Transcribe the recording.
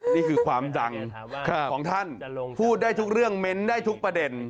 นี่คือความดังของท่านพูดได้ทุกเรื่องเม้นได้ทุกประเด็น